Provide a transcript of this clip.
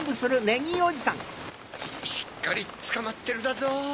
しっかりつかまってるだぞ。